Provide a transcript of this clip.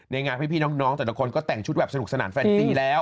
งานพี่น้องแต่ละคนก็แต่งชุดแบบสนุกสนานแฟนซี่แล้ว